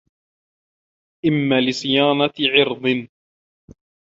إمَّا لِصِيَانَةِ عِرْضٍ